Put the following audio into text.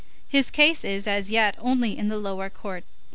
His case is, as yet, only in the lower court.